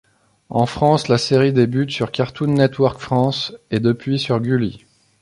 En France, la série débute le sur Cartoon Network France et depuis sur Gulli.